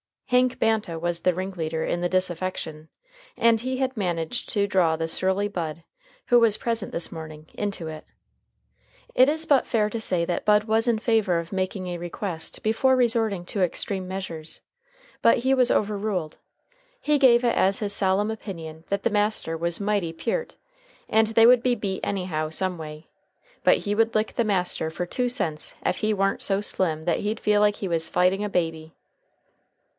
Hank Banta was the ringleader in the disaffection, and he had managed to draw the surly Bud, who was present this morning, into it. It is but fair to say that Bud was in favor of making a request before resorting to extreme measures, but he was overruled. He gave it as his solemn opinion that the master was mighty peart, and they would be beat anyhow some way, but he would lick the master fer two cents ef he warn't so slim that he'd feel like he was fighting a baby.